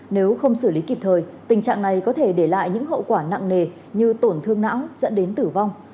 nếu không xử lý kịp thời tình trạng này có thể để lại những hậu quả nặng nề như tổn thương não dẫn đến tử vong